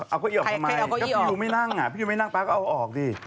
เอาเก้าอี้ออกทำไมก็พี่ยูไม่นั่งอ่ะพี่ยังไม่นั่งป๊าก็เอาออกดิ